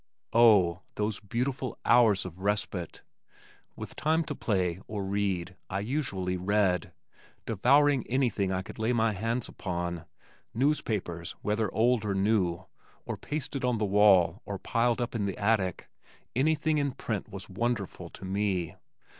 Oh, those beautiful hours of respite! With time to play or read I usually read, devouring anything I could lay my hands upon. Newspapers, whether old or new, or pasted on the wall or piled up in the attic, anything in print was wonderful to me.